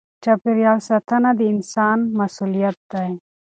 چاپېریال ساتنه د انسان مسؤلیت دی.